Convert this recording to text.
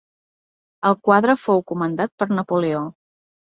El quadre fou comandat per Napoleó.